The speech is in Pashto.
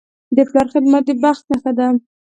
د پلار خدمت د بخت نښه ده.